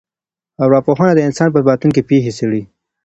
ارواپوهنه د انسان په باطن کي پېښي څېړي.